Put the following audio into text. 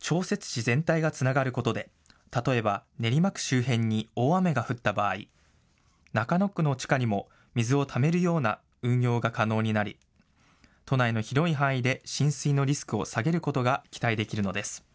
調節池全体がつながることで例えば練馬区周辺に大雨が降った場合、中野区の地下にも水をためるような運用が可能になり都内の広い範囲で浸水のリスクを下げることが期待できるのです。